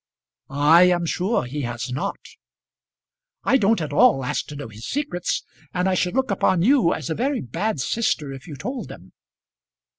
"I am sure he has not." "I don't at all ask to know his secrets, and I should look upon you as a very bad sister if you told them."